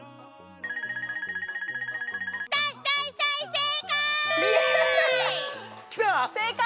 正解！